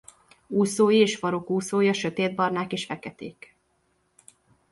Úszói és farokúszója sötétbarnák vagy feketék.